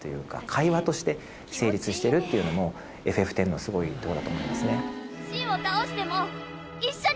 会話として成立してるっていうのも『ＦＦⅩ』のすごいところだと思いますね。